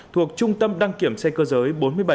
thuộc trung tâm đăng kiểm xe cơ giới